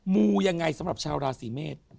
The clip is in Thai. มูยังไงสำหรับชาวราศีเมษ